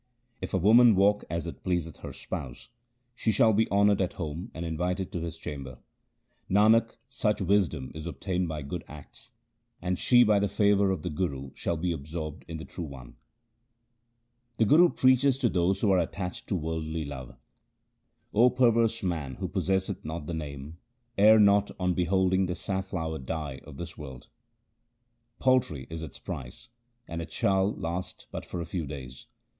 If woman walk as it pleaseth her Spouse, She shall be honoured at home and invited to His chamber — Nanak, such wisdom is obtained by good acts — And she by the favour of the Guru shall be absorbed in the true One. The Guru preaches to those who are attached to worldly love :— O perverse man who possesseth not the Name, err not on beholding the safnower dye of this world. Paltry is its price, and it shall last but for a few days.